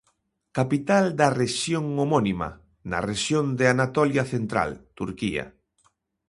Capital da rexión homónima, na rexión de Anatolia Central, Turquía.